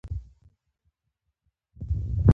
دښتې د افغانستان د انرژۍ سکتور برخه ده.